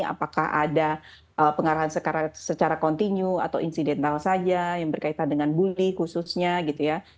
apakah ada pengarahan secara kontinu atau insidental saja yang berkaitan dengan bully khususnya gitu ya